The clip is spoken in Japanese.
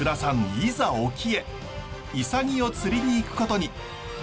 いざ沖へイサギを釣りに行くことに。